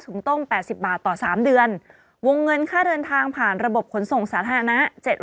ต้ม๘๐บาทต่อสามเดือนวงเงินค่าเดินทางผ่านระบบขนส่งสาธารณะ